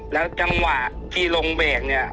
แล้วจังหวะที่ลงเบรกเนี่ย